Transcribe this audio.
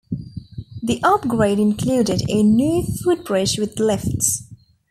The upgrade included a new footbridge with lifts.